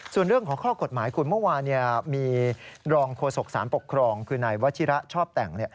ส่วนเรื่องของข้อกฎหมายคุณเมื่อวานมีรองโฆษกสารปกครองคือนายวัชิระชอบแต่ง